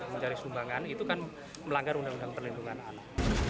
mencari sumbangan itu kan melanggar undang undang perlindungan anak